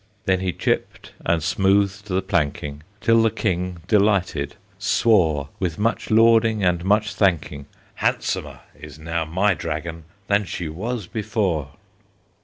Then he chipped and smoothed the planking, Till the King, delighted, swore, With much lauding and much thanking, "Handsomer is now my Dragon Than she was before!"